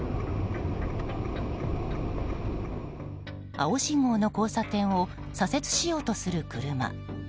青信号の交差点を左折しようとする車。